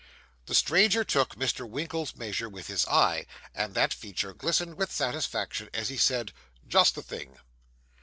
The stranger took Mr. Winkle's measure with his eye, and that feature glistened with satisfaction as he said, 'Just the thing.